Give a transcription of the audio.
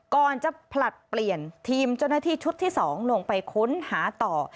ก่อนจะผลัดเปลี่ยนทีมเจ้าหน้าที่ชุดที่๒ลงไปค้นหาต่อ